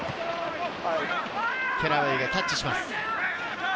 ケラウェイがキャッチします。